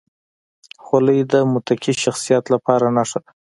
خولۍ د متقي شخصیت لپاره نښه ده.